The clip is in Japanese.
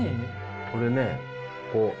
これねこう。